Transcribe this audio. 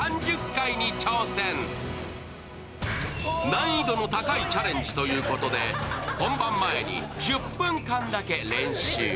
難易度の高いチャレンジということで、本番前に１０分間だけ練習。